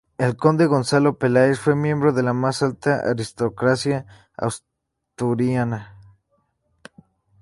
El conde Gonzalo Peláez fue miembro de la más alta aristocracia asturiana.